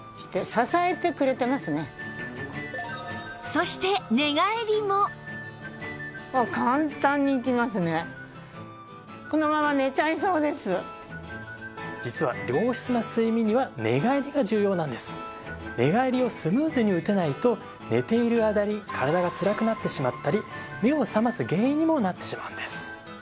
そして実は寝返りをスムーズに打てないと寝ている間に体がつらくなってしまったり目を覚ます原因にもなってしまうんです。